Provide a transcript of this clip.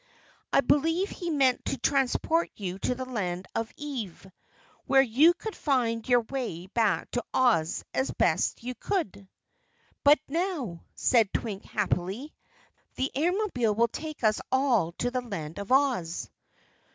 I believe he meant to transport you to the Land of Ev, where you could find your way back to Oz as best you could." "But now," said Twink happily, "the Airmobile will take us all to the Land of Oz."